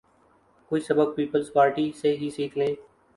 کچھ سبق پیپلزپارٹی سے ہی سیکھ لیں۔